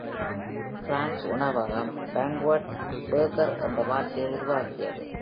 France உணவகம் "banquet burger" என்ற வார்த்தையை உருவாக்கியது.